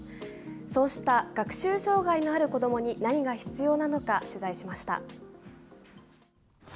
そうした学習障害のある子どもに、何が必要なのか取材しました。